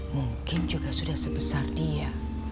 mungkin juga sudah sebesar dia